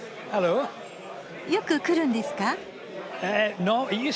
よく来るんですか？